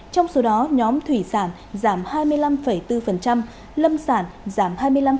trong số đó nhóm thủy sản giảm hai mươi năm bốn lâm sản giảm hai mươi năm